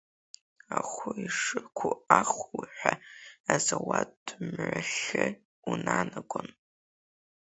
Ахәы ушықәу ахуҳәа Азауад мҩахьы унанагон.